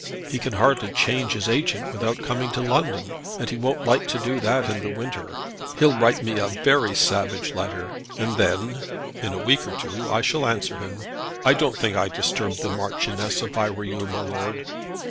He can hardly change his agent without coming to London, and he won't like to do that in the winter. He'll write me a very savage letter, and then in a week or two I shall answer him. I don't think I'd disturb the Marchioness if I were you, my lord."